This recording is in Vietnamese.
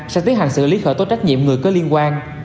sẽ tiến hành xử lý khởi tố trách nhiệm người có liên quan